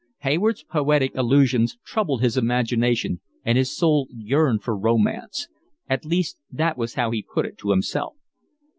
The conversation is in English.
Hayward's poetic allusions troubled his imagination, and his soul yearned for romance. At least that was how he put it to himself.